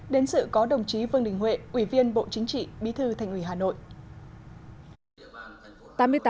đến sự có đồng chí vương đình huệ ủy viên bộ chính trị bí thư thành ủy hà nội